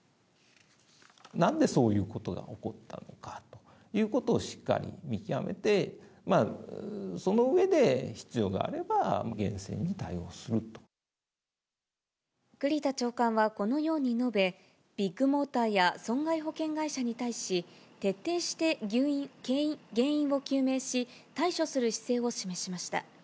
なんでそういうことが起こったのかということをしっかり見極めて、その上で必要があれば、栗田長官はこのように述べ、ビッグモーターや損害保険会社に対し、徹底して原因を究明し、対処する姿勢を示しました。